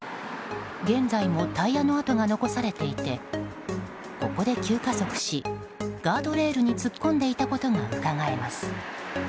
現在もタイヤの跡が残されていてここで急加速し、ガードレールに突っ込んでいたことがうかがえます。